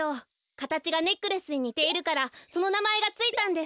かたちがネックレスににているからそのなまえがついたんです。